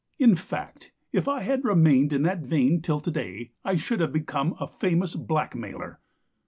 In fact, if I had remained in that vein till to day I should have become a famous blackmailer.